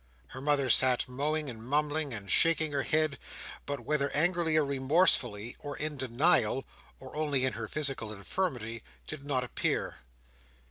Her mother sat mowing, and mumbling, and shaking her head, but whether angrily or remorsefully, or in denial, or only in her physical infirmity, did not appear.